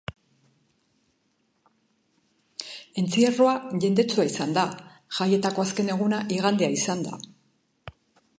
Entzierro jendetsua izan da, jaietako azken eguna igandea izanda.